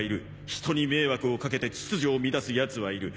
ひとに迷惑を掛けて秩序を乱す奴はいる。